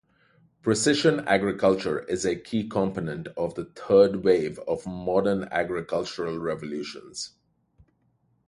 Precision agriculture is a key component of the third wave of modern agricultural revolutions.